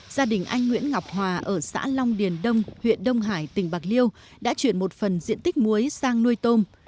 gia đình anh nguyễn ngọc hòa ở xã long điền đông huyện đông hải tỉnh bạc liêu đã chuyển một phần diện tích muối sang nuôi tôm